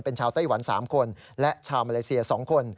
เป็นชาวไต้หวัน๓คนและชาวมาเลเซีย๒คน